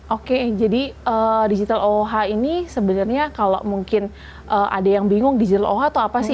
oke jadi digital oha ini sebenarnya kalau mungkin ada yang bingung digital oha itu apa sih